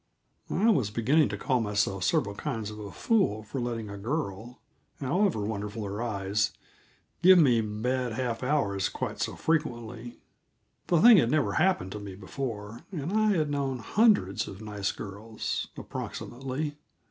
I was beginning to call myself several kinds of a fool for letting a girl however wonderful her eyes give me bad half hours quite so frequently; the thing had never happened to me before, and I had known hundreds of nice girls approximately.